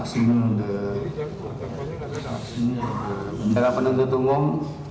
sekarang penentu tunggung